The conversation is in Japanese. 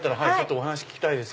お話聞きたいです。